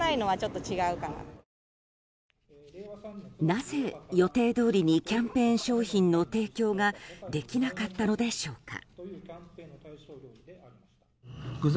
なぜ予定どおりにキャンペーン商品の提供ができなかったのでしょうか。